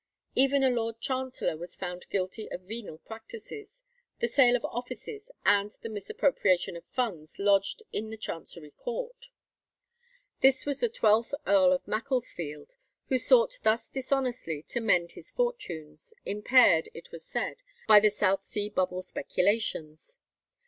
Even a Lord Chancellor was found guilty of venal practices—the sale of offices, and the misappropriation of funds lodged in the Chancery Court. This was the twelfth Earl of Macclesfield,[273:1] who sought thus dishonestly to mend his fortunes, impaired, it was said, by the South Sea Bubble speculations.